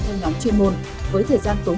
theo nhóm chuyên môn với thời gian tốn